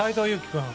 君。